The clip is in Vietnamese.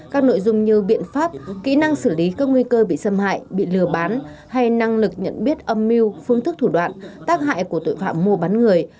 các nội dung như biện pháp kỹ năng xử lý các nguy cơ bị xâm hại bị lừa bán hay năng lực nhận biết âm mưu phương thức thủ đoạn tác hại của tội phạm mua bán người